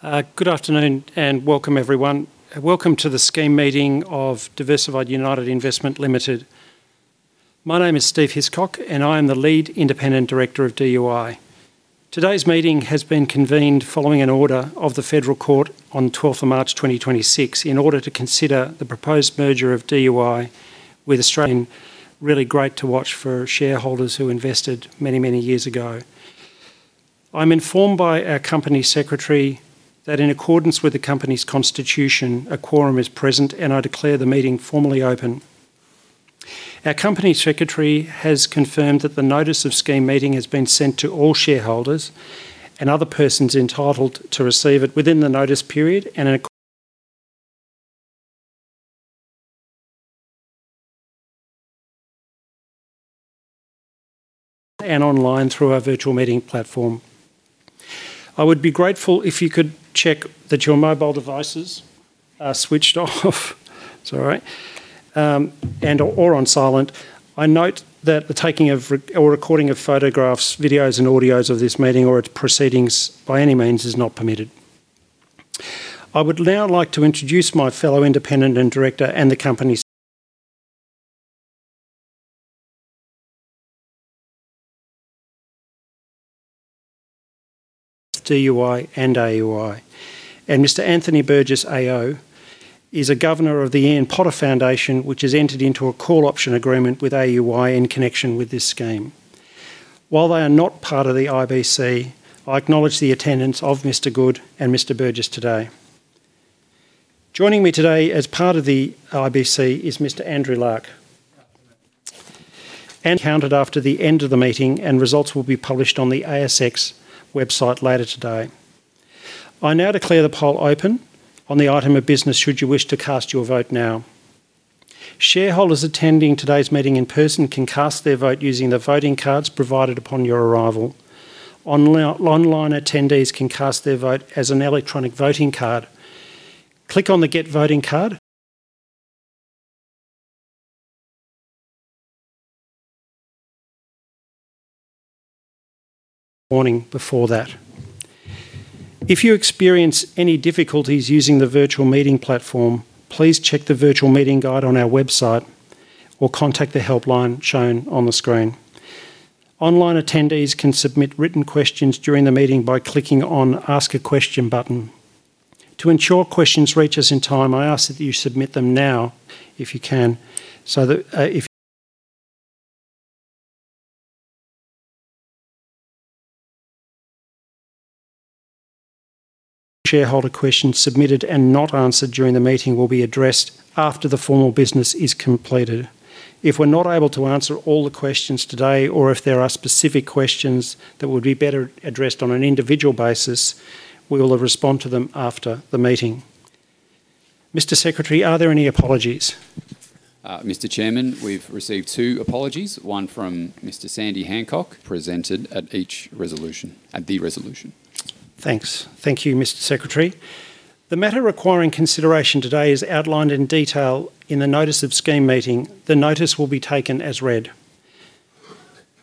Good afternoon, and welcome everyone. Welcome to the scheme meeting of Diversified United Investment Limited. My name is Steve Hiscock, and I am the Lead Independent Director of DUI. Today's meeting has been convened following an order of the Federal Court on 12th of March 2026, in order to consider the proposed merger of DUI with Australian United Investment Company. Really great to watch for shareholders who invested many, many years ago. I'm informed by our company secretary that in accordance with the company's constitution, a quorum is present, and I declare the meeting formally open. Our company secretary has confirmed that the notice of scheme meeting has been sent to all shareholders, and other persons entitled to receive it within the notice period and online through our virtual meeting platform. I would be grateful if you could check that your mobile devices are switched off. It's all right, and/or on silent. I note that the taking or recording of photographs, videos, and audios of this meeting or its proceedings by any means is not permitted. I would now like to introduce my fellow independent director and the company's DUI and AUI. Mr. Anthony Burgess AO is a governor of the Ian Potter Foundation, which has entered into a call option agreement with AUI in connection with this scheme. While they are not part of the IBC, I acknowledge the attendance of Mr. Goode and Mr. Burgess today. Joining me today as part of the IBC is Mr. Andrew Larke. The votes will be counted after the end of the meeting, and results will be published on the ASX website later today. I now declare the poll open on the item of business, should you wish to cast your vote now. Shareholders attending today's meeting in person can cast their vote using the voting cards provided upon your arrival. Online attendees can cast their vote as an electronic voting card. Click on the Get Voting Card button. If you experience any difficulties using the virtual meeting platform, please check the virtual meeting guide on our website or contact the helpline shown on the screen. Online attendees can submit written questions during the meeting by clicking on Ask a Question button. To ensure questions reach us in time, I ask that you submit them now if you can. Shareholder questions submitted and not answered during the meeting will be addressed after the formal business is completed. If we're not able to answer all the questions today, or if there are specific questions that would be better addressed on an individual basis, we will respond to them after the meeting. Mr. Secretary, are there any apologies? Mr. Chairman, we've received two apologies, one from Mr. Sandy Hancock. Presented at each resolution. Thanks. Thank you, Mr. Secretary. The matter requiring consideration today is outlined in detail in the Notice of Scheme Meeting. The notice will be taken as read.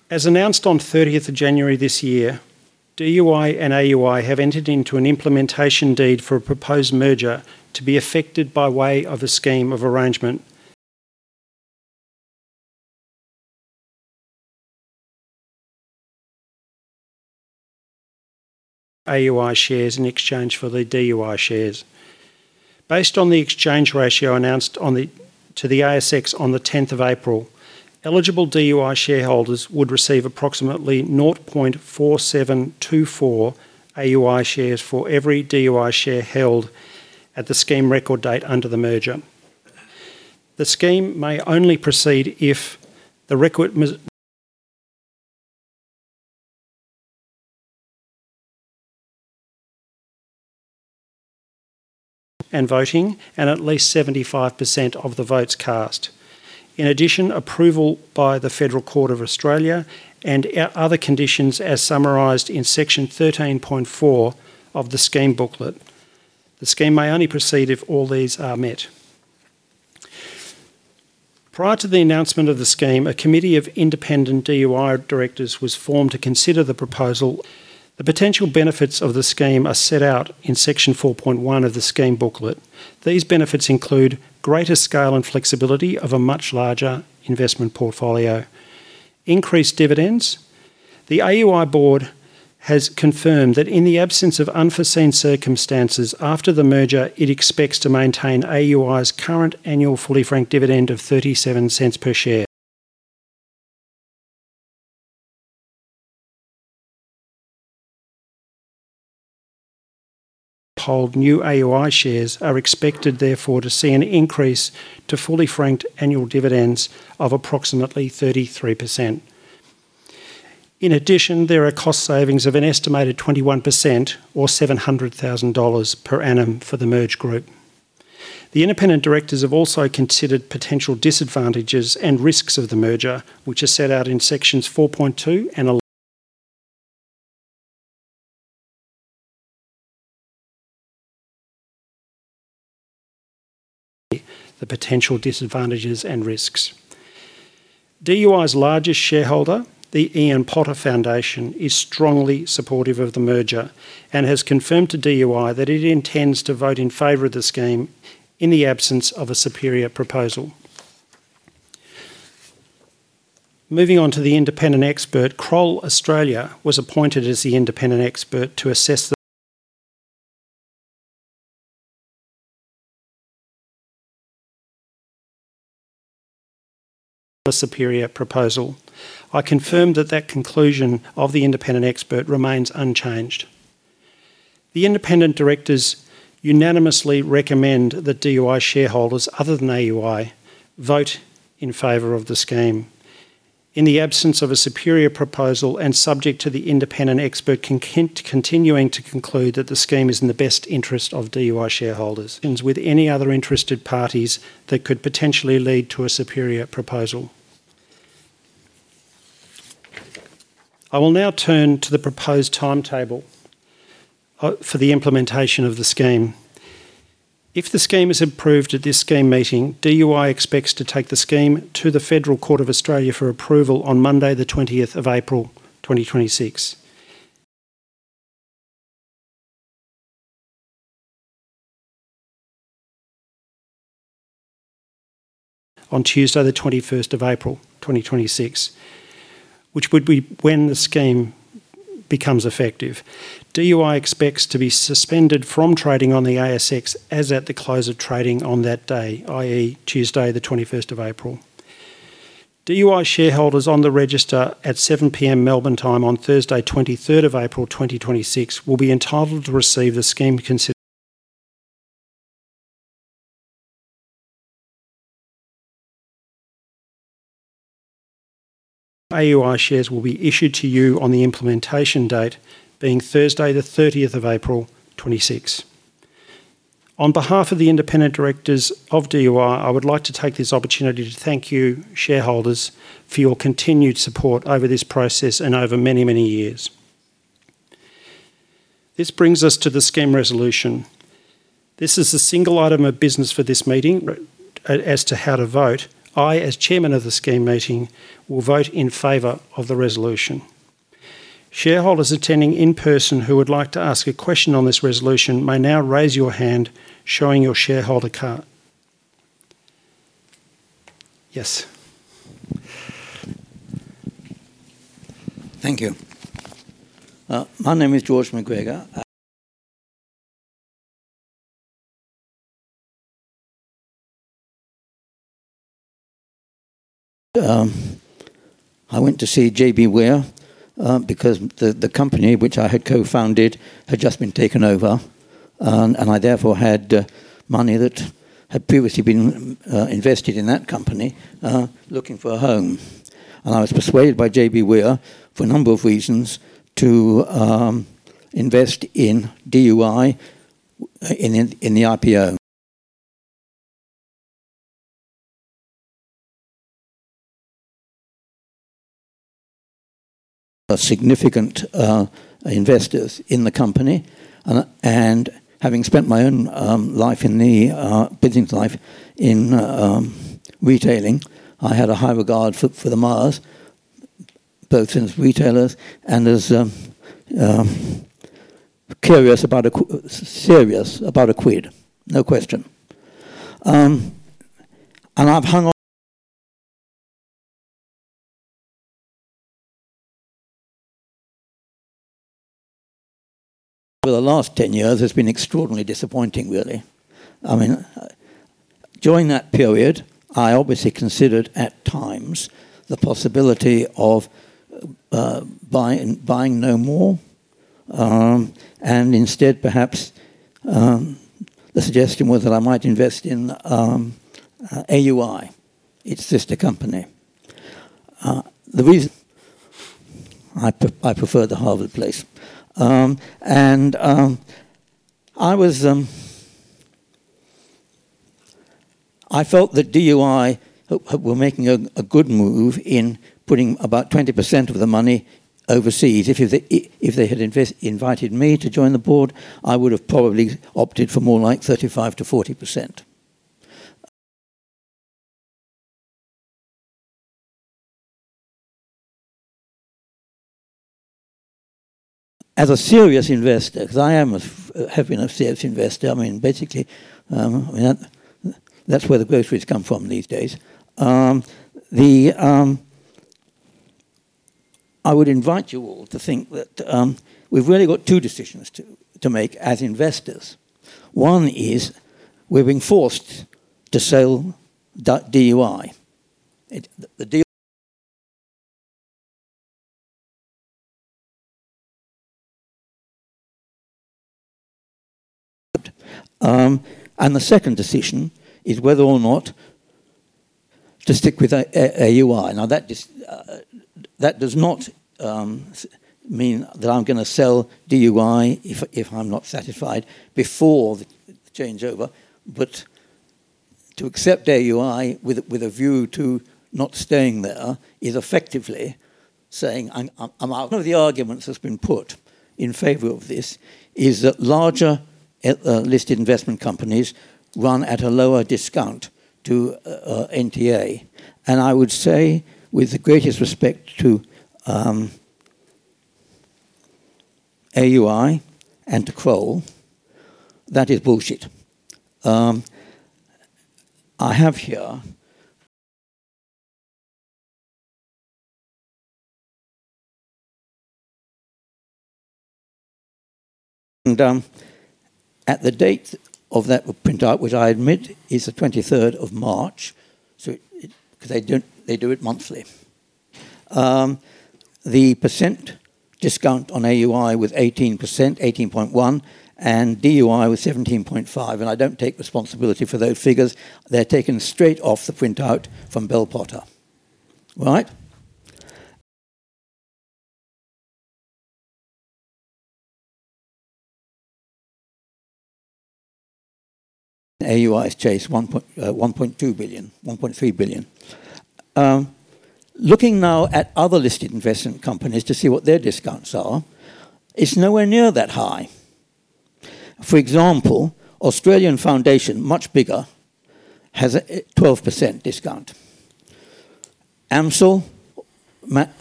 As announced on 30th of January this year, DUI and AUI have entered into an Implementation Deed for a proposed merger to be effected by way of a scheme of arrangement, AUI shares in exchange for the DUI shares. Based on the exchange ratio announced to the ASX on the 10th of April, eligible DUI shareholders would receive approximately 0.4724 AUI shares for every DUI share held at the scheme record date under the merger. The scheme may only proceed if the requisite majorities are obtained from those present and voting, and at least 75% of the votes cast. In addition, approval by the Federal Court of Australia and other conditions as summarized in Section 13.4 of the Scheme Booklet. The scheme may only proceed if all these are met. Prior to the announcement of the scheme, a committee of independent DUI directors was formed to consider the proposal. The potential benefits of the scheme are set out in Section 4.1 of the scheme booklet. These benefits include greater scale and flexibility of a much larger investment portfolio, increased dividends. The AUI board has confirmed that in the absence of unforeseen circumstances, after the merger, it expects to maintain AUI's current annual fully franked dividend of 0.37 per share. Holders of new AUI shares are expected therefore to see an increase to fully franked annual dividends of approximately 33%. In addition, there are cost savings of an estimated 21% or 700,000 dollars per annum for the merged group. The independent directors have also considered potential disadvantages and risks of the merger, which are set out in Sections 4.2 and 11. The potential disadvantages and risks. DUI's largest shareholder, the Ian Potter Foundation, is strongly supportive of the merger and has confirmed to DUI that it intends to vote in favor of the scheme in the absence of a superior proposal. Moving on to the independent expert, Kroll Australia was appointed as the independent expert to assess the superior proposal. I confirm that the conclusion of the independent expert remains unchanged. The independent directors unanimously recommend that DUI shareholders, other than AUI, vote in favor of the scheme in the absence of a superior proposal, and subject to the independent expert continuing to conclude that the scheme is in the best interest of DUI shareholders and with any other interested parties that could potentially lead to a superior proposal. I will now turn to the proposed timetable for the implementation of the scheme. If the scheme is approved at this scheme meeting, DUI expects to take the scheme to the Federal Court of Australia for approval on Monday, the 20th of April, 2026. On Tuesday, the 21st of April, 2026, which would be when the scheme becomes effective, DUI expects to be suspended from trading on the ASX as at the close of trading on that day, i.e., Tuesday, the 21st of April. DUI shareholders on the register at 7:00 P.M. Melbourne time on Thursday, the 23rd of April, 2026, will be entitled to receive the scheme consideration. AUI shares will be issued to you on the implementation date, being Thursday, the 30th of April 2026. On behalf of the independent directors of DUI, I would like to take this opportunity to thank you, shareholders, for your continued support over this process and over many, many years. This brings us to the scheme resolution. This is the single item of business for this meeting as to how to vote. I, as Chairman of the scheme meeting, will vote in favor of the resolution. Shareholders attending in person who would like to ask a question on this resolution may now raise your hand showing your shareholder card. Yes. Thank you. My name is George McGregor. I went to see JBWere, because the company which I had co-founded had just been taken over, and I therefore had money that had previously been invested in that company, looking for a home. I was persuaded by JBWere, for a number of reasons, to invest in DUI in the IPO. I am a significant investor in the company, and having spent my own life in the business life in retailing, I had a high regard for the Myers, both as retailers and as serious about a quid. No question. I've hung on for the last 10 years. For the last 10 years has been extraordinarily disappointing, really. During that period, I obviously considered at times the possibility of buying no more, and instead perhaps the suggestion was that I might invest in AUI, its sister company. I prefer the hard place. I felt that DUI were making a good move in putting about 20% of the money overseas. If they had invited me to join the board, I would have probably opted for more like 35%-40%. As a serious investor, because I have been a serious investor, basically, that's where the groceries come from these days. I would invite you all to think that we've really got two decisions to make as investors. One is we're being forced to sell DUI. The second decision is whether or not to stick with AUI. Now, that does not mean that I'm going to sell DUI if I'm not satisfied before the changeover. To accept AUI with a view to not staying there is effectively. One of the arguments that's been put in favor of this is that larger listed investment companies run at a lower discount to NTA. I would say, with the greatest respect to AUI and to Kroll, that is bullshit. I have here at the date of that printout, which I admit is the 23rd of March, because they do it monthly. The percent discount on AUI was 18%, 18.1%, and DUI was 17.5%, and I don't take responsibility for those figures. They're taken straight off the printout from Bell Potter. AUI has chased 1.2 billion, 1.3 billion. Looking now at other listed investment companies to see what their discounts are, it's nowhere near that high. For example, Australian Foundation, much bigger, has a 12% discount. AMCIL,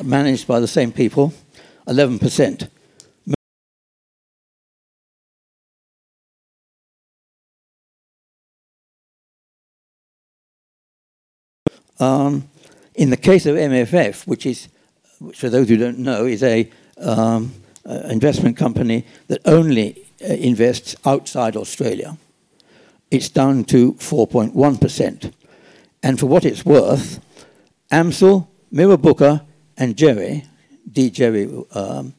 managed by the same people, 11%. In the case of MFF, which for those who don't know, is an investment company that only invests outside Australia. It's down to 4.1%. For what it's worth, AMCIL, Mirrabooka, and Djerriwarrh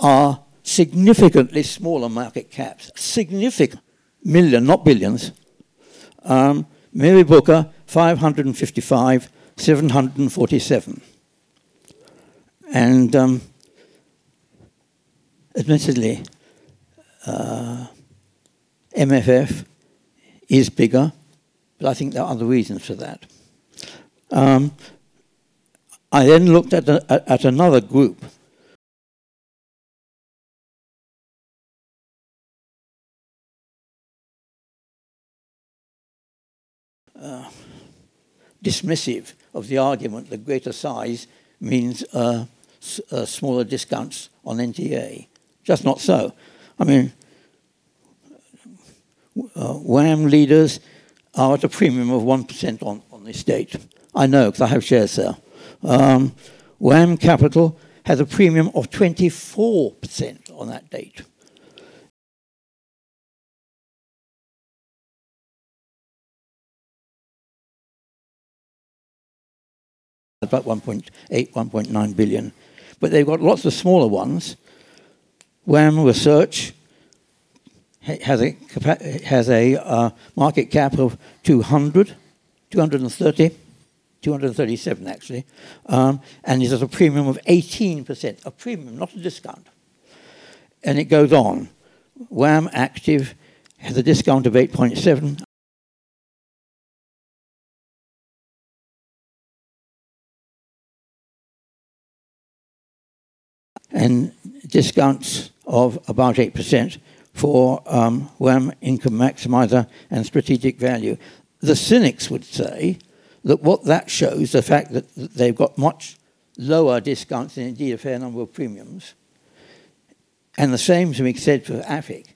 are significantly smaller market caps. Significant. million, not billions. Mirrabooka, 555, 747. Admittedly, MFF is bigger, but I think there are other reasons for that. I then looked at another group dismissive of the argument that greater size means smaller discounts on NTA. Just not so. WAM Leaders are at a premium of 1% on this date. I know because I have shares there. WAM Capital has a premium of 24% on that date. About 1.8-1.9 billion. But they've got lots of smaller ones. WAM Research has a market cap of 200, 230, 237 actually. It has a premium of 18%. A premium, not a discount. It goes on. WAM Active has a discount of 8.7%. Discounts of about 8% for WAM Income Maximiser and WAM Strategic Value. The cynics would say that what that shows, the fact that they've got much lower discounts and indeed a fair number of premiums, and the same can be said for AFIC,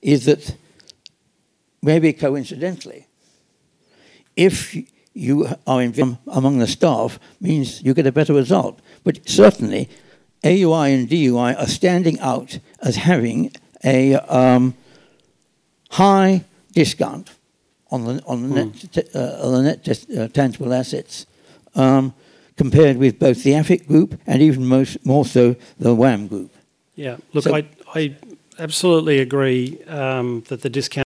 is that maybe coincidentally, if you are among the staff means you get a better result. Certainly, AUI and DUI are standing out as having a high discount on the net tangible assets, compared with both the AFIC group and even more so the WAM group. Yeah. Look, I absolutely agree that the discount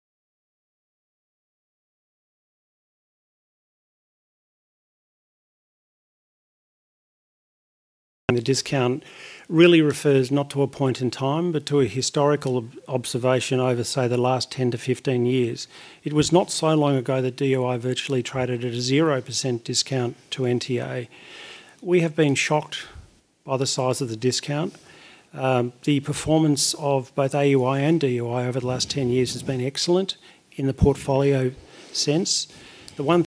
really refers not to a point in time, but to a historical observation over, say, the last 10 to 15 years. It was not so long ago that DUI virtually traded at a 0% discount to NTA. We have been shocked by the size of the discount. The performance of both AUI and DUI over the last 10 years has been excellent in the portfolio sense. DUI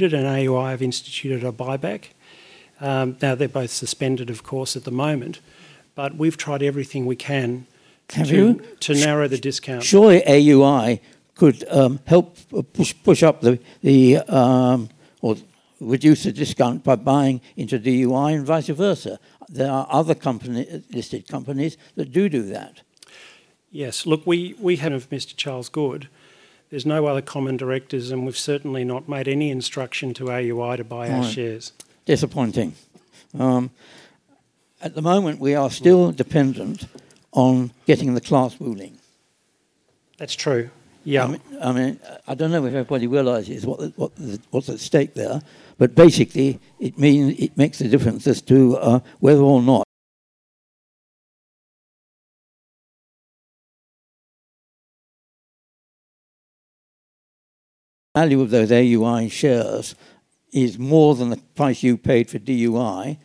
and AUI have instituted a buyback. Now, they're both suspended, of course, at the moment. But we've tried everything we can. Have you? to narrow the discount. Surely AUI could help push up or reduce the discount by buying into DUI and vice versa. There are other listed companies that do that. Yes. Look, we have Mr. Charles Goode. There's no other common directors, and we've certainly not made any instruction to AUI to buy our shares. Right. Disappointing. At the moment, we are still dependent on getting the class ruling. That's true. Yeah. I don't know if everybody realizes what's at stake there. Basically, it makes a difference as to whether or not the value of those AUI shares is more than the price you paid for DUI,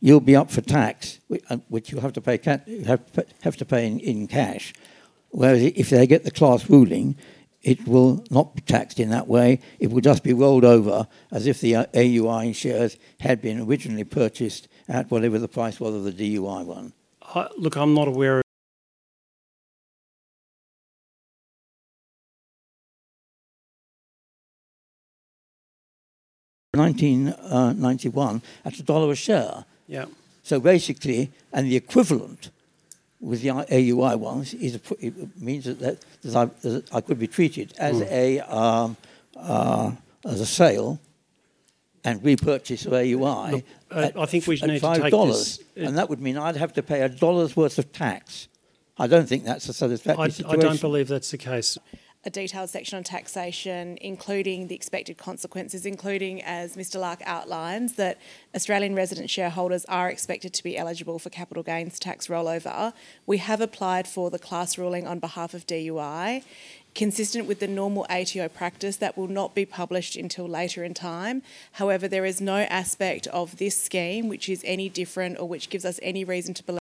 you'll be up for tax, which you have to pay in cash. Whereas if they get the class ruling, it will not be taxed in that way. It will just be rolled over as if the AUI shares had been originally purchased at whatever the price was of the DUI one. Look, I'm not aware of. 1991 at AUD 1 a share. Yeah. Basically, and the equivalent with the AUI ones, it means that I could be treated as a sale and repurchase of AUI. Look, I think we need to take this. At 5 dollars, and that would mean I'd have to pay a AUD 1's worth of tax. I don't think that's a satisfactory situation. I don't believe that's the case. A detailed section on taxation, including the expected consequences, as Mr. Lark outlines, that Australian resident shareholders are expected to be eligible for capital gains tax rollover. We have applied for the class ruling on behalf of DUI. Consistent with the normal ATO practice, that will not be published until later in time. However, there is no aspect of this scheme which is any different or which gives us any reason to believe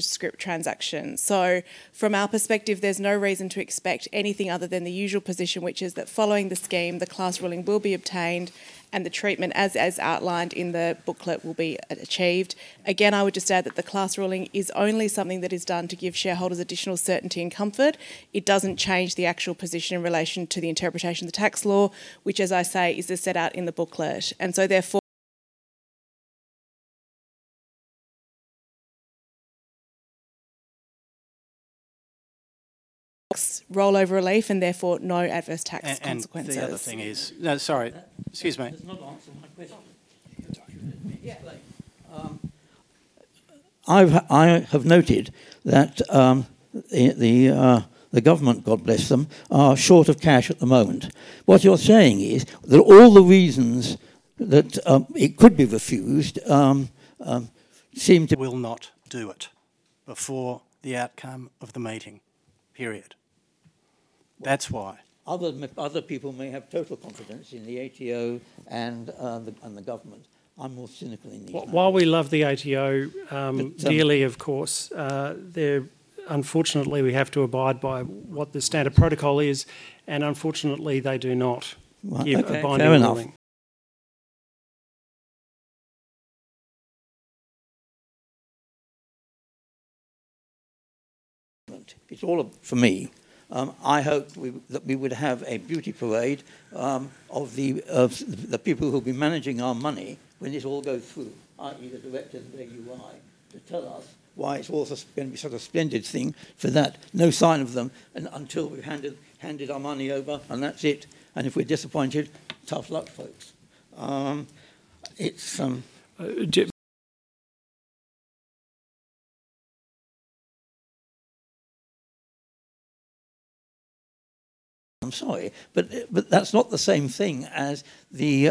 scrip transaction. So from our perspective, there's no reason to expect anything other than the usual position, which is that following the scheme, the class ruling will be obtained and the treatment, as outlined in the booklet, will be achieved. Again, I would just add that the class ruling is only something that is done to give shareholders additional certainty and comfort. It doesn't change the actual position in relation to the interpretation of the tax law, which, as I say, is set out in the booklet. Rollover relief, and therefore no adverse tax consequences. No, sorry. Excuse me. That does not answer my question. Go ahead. Yeah. I have noted that the government, God bless them, are short of cash at the moment. What you're saying is that all the reasons that it could be refused seem to. Will not do it before the outcome of the meeting period. That's why. Other people may have total confidence in the ATO and the government. I'm more cynical in these matters. While we love the ATO dearly, of course, unfortunately we have to abide by what the standard protocol is, and unfortunately they do not give a binding ruling. It's all for me. I hoped that we would have a beauty parade of the people who'll be managing our money when this all goes through, i.e., the directors of AUI, to tell us why it's all going to be such a splendid thing. For that, no sign of them until we've handed our money over, and that's it. If we're disappointed, tough luck, folks. Jim- I'm sorry, but that's not the same thing as the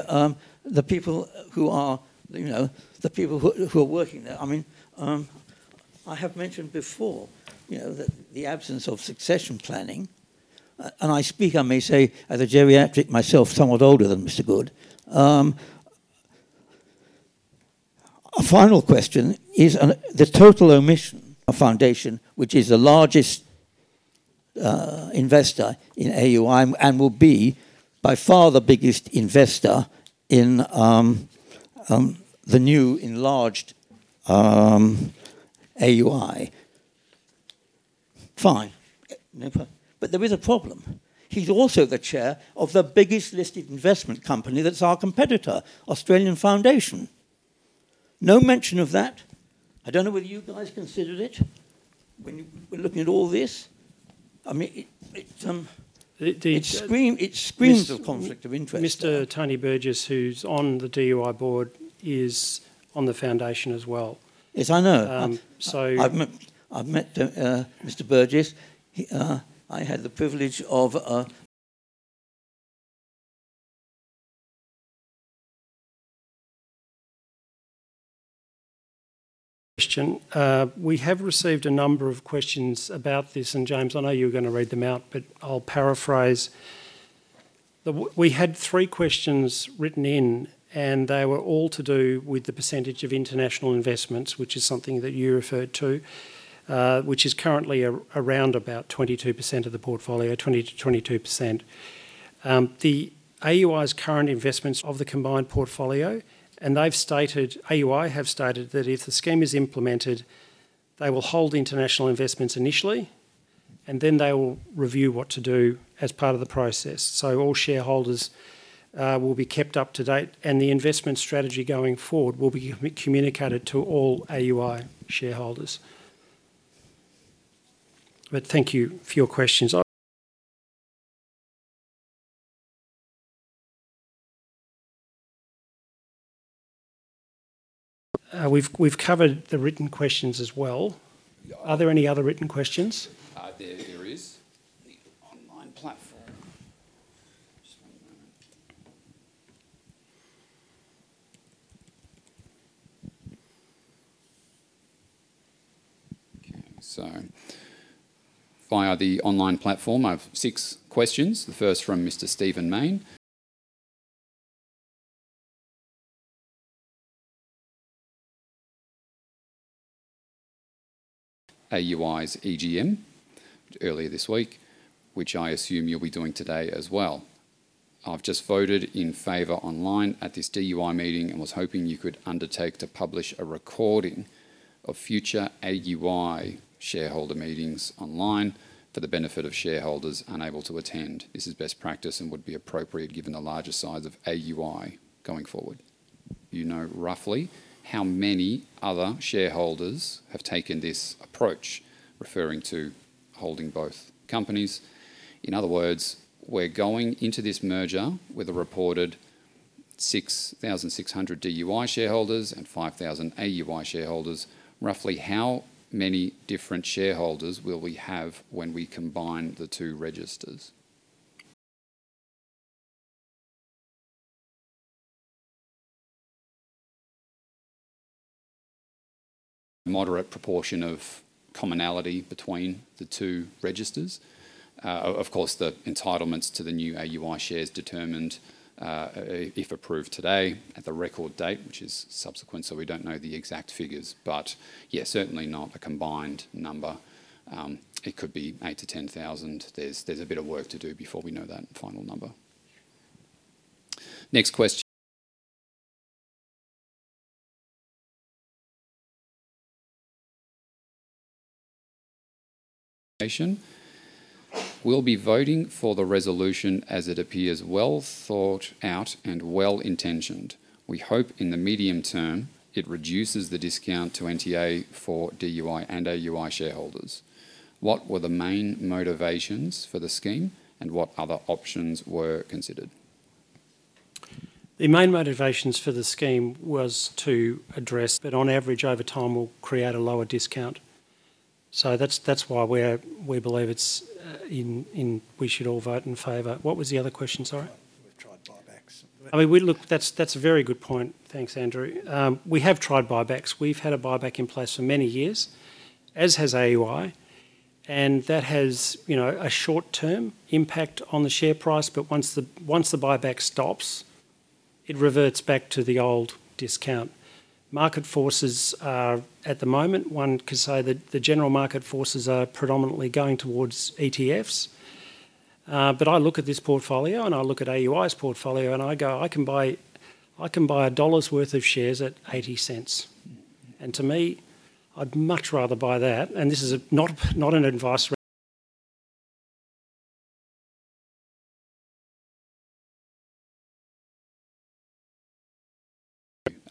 people who are working there. I have mentioned before the absence of succession planning, and I speak, I may say, as a geriatric myself, somewhat older than Mr. Goode. A final question is on the total omission of Foundation, which is the largest investor in AUI and will be by far the biggest investor in the new enlarged AUI. Fine. No problem. There is a problem. He's also the chair of the biggest listed investment company that's our competitor, Australian Foundation. No mention of that. I don't know whether you guys considered it when you were looking at all this. It screams of conflict of interest. Mr. Anthony Burgess AO, who's on the DUI board, is on the foundation as well. Yes, I know. So- I've met Mr. Burgess. I had the privilege of. Question. We have received a number of questions about this, and James, I know you were going to read them out, but I'll paraphrase. We had three questions written in, and they were all to do with the percentage of international investments, which is something that you referred to, which is currently around about 22% of the portfolio, 20%-22%. The AUI's current investments of the combined portfolio, and AUI have stated that if the scheme is implemented, they will hold international investments initially, and then they will review what to do as part of the process. All shareholders will be kept up to date, and the investment strategy going forward will be communicated to all AUI shareholders. Thank you for your questions. We've covered the written questions as well. Yeah. Are there any other written questions? There is the online platform. Just one moment. Okay, so via the online platform, I have six questions. The first from Mr. Steven Mayne. "AUI's EGM earlier this week, which I assume you'll be doing today as well. I've just voted in favor online at this DUI meeting and was hoping you could undertake to publish a recording of future AUI shareholder meetings online for the benefit of shareholders unable to attend. This is best practice and would be appropriate given the larger size of AUI going forward." "Do you know roughly how many other shareholders have taken this approach?" Referring to holding both companies. "In other words, we're going into this merger with a reported 6,600 DUI shareholders and 5,000 AUI shareholders. Roughly how many different shareholders will we have when we combine the two registers?" Moderate proportion of commonality between the two registers. Of course, the entitlements to the new AUI shares determined, if approved today, at the record date, which is subsequent, so we don't know the exact figures. Yeah, certainly not a combined number. It could be 8-10,000. There's a bit of work to do before we know that final number. Next question. "We'll be voting for the resolution as it appears well thought out and well-intentioned. We hope in the medium term, it reduces the discount to NTA for DUI and AUI shareholders. What were the main motivations for the scheme, and what other options were considered? The main motivations for the scheme was to address that on average over time, we'll create a lower discount. That's why we believe we should all vote in favor. What was the other question, sorry? We've tried buybacks. Look, that's a very good point. Thanks, Andrew. We have tried buybacks. We've had a buyback in place for many years, as has AUI. That has a short-term impact on the share price, but once the buyback stops, it reverts back to the old discount. Market forces are at the moment, one could say that the general market forces are predominantly going towards ETFs. I look at this portfolio, and I look at AUI's portfolio, and I go, "I can buy a dollar's worth of shares at 0.80." To me, I'd much rather buy that, and this is not an advice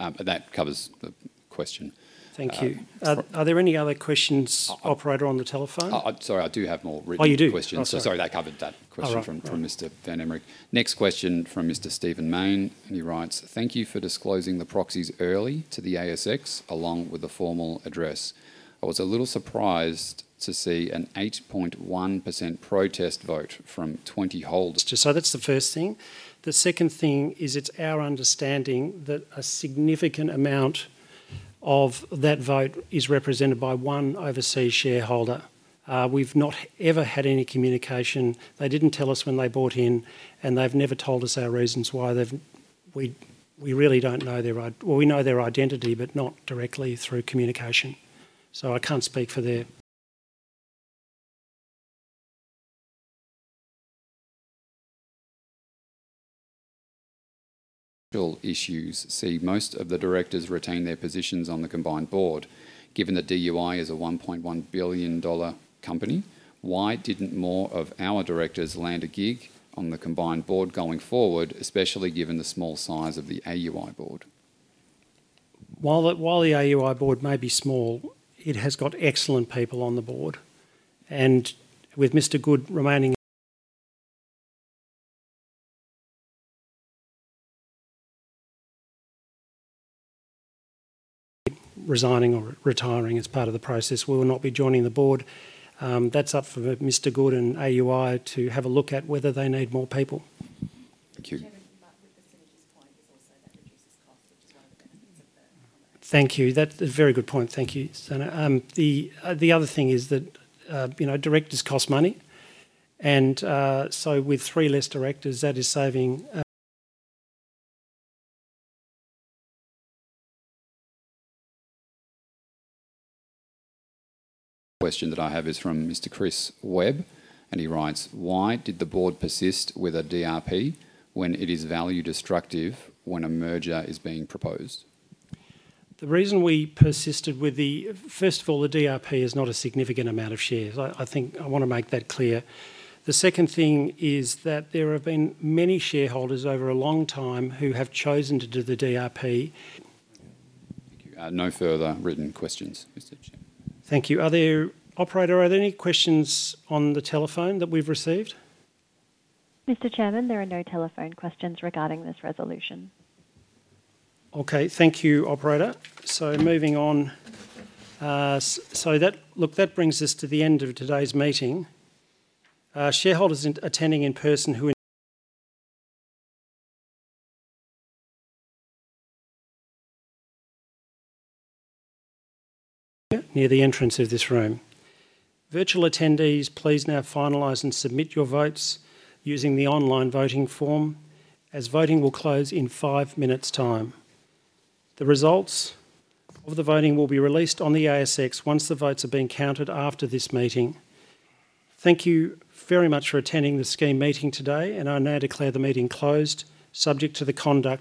re- That covers the question. Thank you. Are there any other questions, operator, on the telephone? Sorry, I do have more written questions. Oh, you do? Sorry, that covered that question from Mr. Van Emmerik. Next question from Mr. Stephen Mayne, and he writes, "Thank you for disclosing the proxies early to the ASX along with a formal address. I was a little surprised to see an 8.1% protest vote from 20 holders. That's the first thing. The second thing is it's our understanding that a significant amount of that vote is represented by one overseas shareholder. We've not ever had any communication. They didn't tell us when they bought in, and they've never told us their reasons. We really don't know their identity. Well, we know their identity, but not directly through communication. I can't speak for their- Issues see most of the directors retain their positions on the combined board. Given that DUI is a 1.1 billion dollar company, why didn't more of our directors land a gig on the combined board going forward, especially given the small size of the AUI board? While the AUI board may be small, it has got excellent people on the board. With Mr. Good remaining resigning or retiring as part of the process, we will not be joining the board. That's up for Mr. Good and AUI to have a look at whether they need more people. Thank you. Thank you. That's a very good point. Thank you, The other thing is that directors cost money, and so with three less directors, that is saving. Question that I have is from Mr. Chris Webb, and he writes, "Why did the board persist with a DRP when it is value destructive when a merger is being proposed? First of all, the DRP is not a significant amount of shares. I want to make that clear. The second thing is that there have been many shareholders over a long time who have chosen to do the DRP. Thank you. No further written questions, Mr. Chairman. Thank you. Operator, are there any questions on the telephone that we've received? Mr. Chairman, there are no telephone questions regarding this resolution. Okay, thank you, operator. Moving on. Look, that brings us to the end of today's meeting. Shareholders attending in person. Near the entrance of this room. Virtual attendees, please now finalize and submit your votes using the online voting form, as voting will close in five minutes' time. The results of the voting will be released on the ASX once the votes have been counted after this meeting. Thank you very much for attending the scheme meeting today, and I now declare the meeting closed, subject to the conduct.